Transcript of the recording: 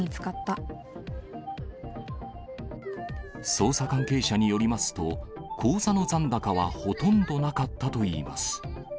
捜査関係者によりますと、口座の残高はほとんどなかったといいます。